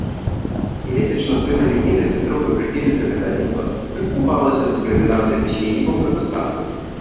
Нягледзячы на сваю рэлігійнасць і строгую прыхільнасць да каталіцтва, не займалася дыскрымінацыяй пісьменнікаў-пратэстантаў.